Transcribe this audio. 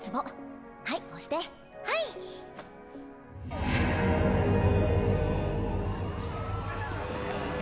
はい押して。はいっ！